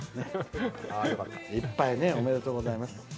いっぱい、おめでとうございます。